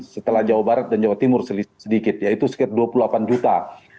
setelah jawa barat dan jawa timur sedikit yaitu sekitar dua puluh delapan juta